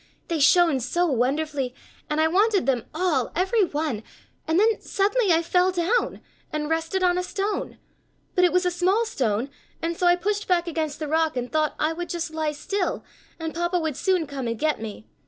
They shone so wonderfully and I wanted them all, every one, and then suddenly I fell down and rested on a stone, but it was a small stone and so I pushed back against the rock and thought I would just lie still and Papa would soon come and get me.